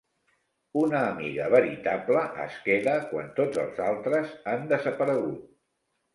Una amiga veritable es queda quan tots els altres han desaparegut.